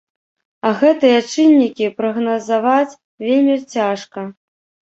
А гэтыя чыннікі прагназаваць вельмі цяжка.